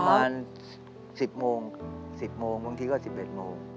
ถึงประมาณ๑๐โมงบางทีก็๑๑โมง